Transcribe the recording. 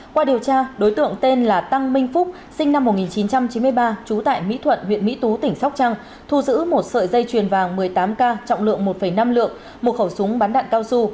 qua điều tra đối tượng tên là tăng minh phúc sinh năm một nghìn chín trăm chín mươi ba trú tại mỹ thuận huyện mỹ tú tỉnh sóc trăng thu giữ một sợi dây chuyền vàng một mươi tám k trọng lượng một năm lượng một khẩu súng bắn đạn cao su